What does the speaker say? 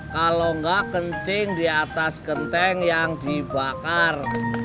kalo gak kencing di atas genteng yang dibakar